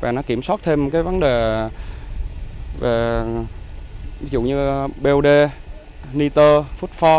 và nó kiểm soát thêm cái vấn đề ví dụ như bod nitr futfor